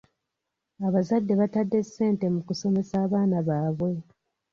Abazadde batadde ssente mu kusomesa abaana baabwe.